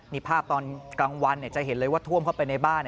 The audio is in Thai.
นี่ภาพตอนกลางวันจะเห็นเลยว่าท่วมเข้าไปในบ้าน